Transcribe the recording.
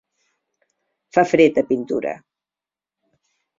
Fa fred a Pintura